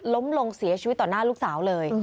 ล้มลงเสียชีวิตต่อหน้าลูกสาวเลย